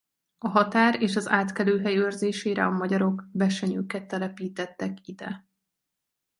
A határ és az átkelőhely őrzésére a magyarok besenyőket telepítettek ide.